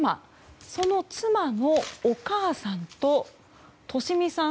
その妻のお母さんと利美さん